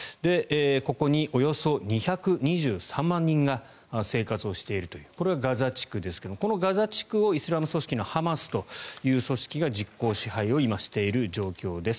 ここにおよそ２２３万人が生活しているというこれがガザ地区ですがこのガザ地区をイスラム組織のハマスという組織が実効支配を今、している状況です。